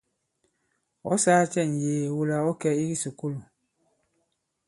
Ɔ̌ sāā cɛ ŋ̀yee wula ɔ̌ kɛ̀ i kisùkulù ?